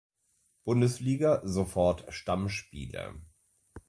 Bundesliga sofort Stammspieler.